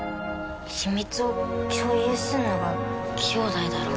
秘密を共有するのが兄弟だろ。